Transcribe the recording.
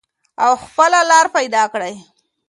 او خپله لار پیدا کړئ.